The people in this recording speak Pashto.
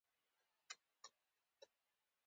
صورت جلسه چا لیکلې وي؟